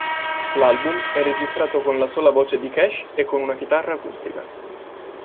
L'album è registrato con la sola voce di Cash e con una chitarra acustica.